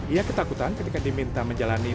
ia ketakutan ketika diminta menjalani